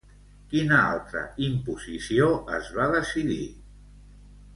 Quina altra imposició es va decidir?